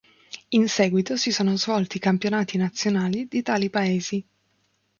In seguito si sono svolti i campionati nazionali di tali paesi.